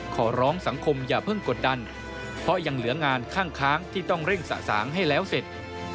ขอร้องสังคมอย่าเพิ่งกดดันเพราะยังเหลืองานข้างที่ต้องเร่งสะสางให้แล้วเสร็จ